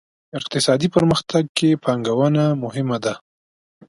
اقتصادي پرمختګ کې پانګونه مهمه ده.